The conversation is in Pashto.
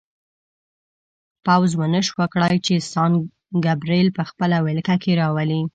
پوځ ونه شوای کړای چې سان ګبریل په خپله ولکه کې راولي.